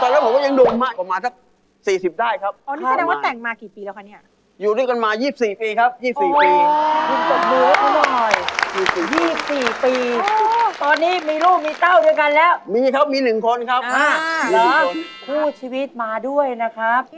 ตอนนั้นผมก็ยังดูมากประมาณสัก๔๐ได้ครับ